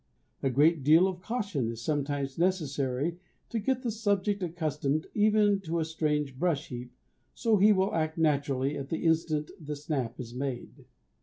A great deal of caution is sometimes necessary to get the subject accustomed even to a strange brush heap, so he will act naturally at the instant the snap is made.